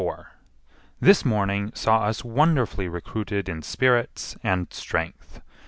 This morning saw us wonderfully recruited in spirits and strength.